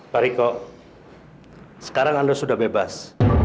pak riko sekarang anda sudah bebas